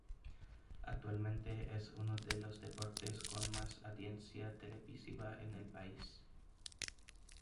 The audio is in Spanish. Actualmente es uno de los deportes con más audiencia televisiva en el país.